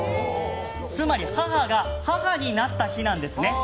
つまり、母が母になった日なんですね。